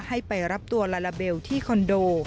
ให้ไปรับตัวลาลาเบลที่คอนโด